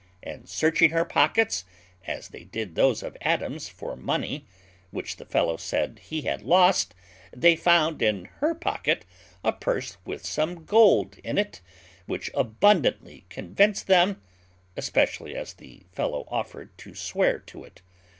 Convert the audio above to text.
And searching her pockets, as they did those of Adams, for money, which the fellow said he had lost, they found in her pocket a purse with some gold in it, which abundantly convinced them, especially as the fellow offered to swear to it.